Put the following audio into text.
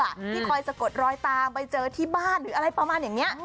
ที่คอยสะกดรอยตามไปเจอที่บ้านหรืออะไรประมาณอย่างนี้